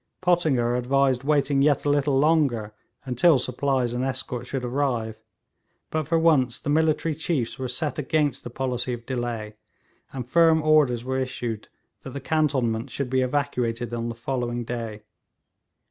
Pottinger advised waiting yet a little longer, until supplies and escort should arrive; but for once the military chiefs were set against the policy of delay, and firm orders were issued that the cantonments should be evacuated on the following day.